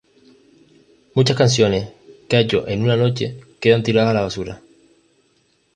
Muchas canciones que ha hecho en una noche, quedan tiradas a la basura.